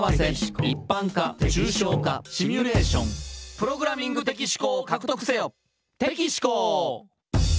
「プログラミング的思考を獲得せよ」